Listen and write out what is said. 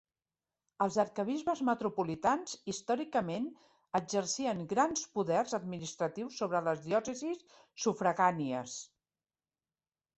Els arquebisbes metropolitans històricament exercien grans poders administratius sobre les diòcesis sufragànies.